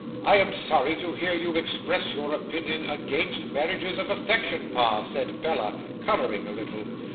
'"I am sorry to hear you express your opinion against marriages of affection, pa," said Bella, colouring a little.